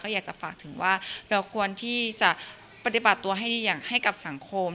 อยากจะฝากถึงว่าเราควรที่จะปฏิบัติตัวให้ดีอย่างให้กับสังคม